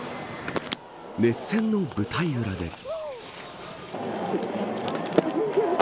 熱戦の舞台裏で。